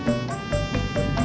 lepas biar bi resortnya